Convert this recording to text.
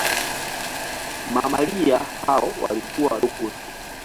Mamalia hao walikuwa wadogo tu.